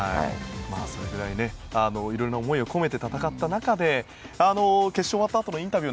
それくらいいろんな思いを込めて戦った中で決勝終わったあとのインタビュー